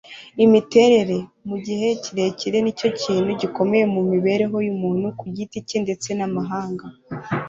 imiterere, mu gihe kirekire, ni cyo kintu gikomeye mu mibereho y'umuntu ku giti cye ndetse n'amahanga